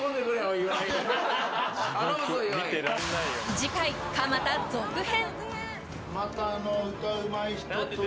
次回も蒲田続編！